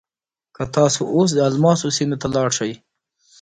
که تاسو اوس د الماسو سیمې ته لاړ شئ.